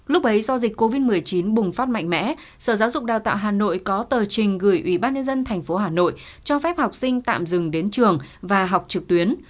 lúc ấy do dịch covid một mươi chín bùng phát mạnh mẽ sở giáo dục đào tạo hà nội có tờ trình gửi ủy ban nhân dân tp hà nội cho phép học sinh tạm dừng đến trường và học trực tuyến